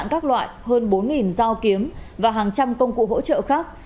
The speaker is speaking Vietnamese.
các loại hơn bốn dao kiếm và hàng trăm công cụ hỗ trợ khác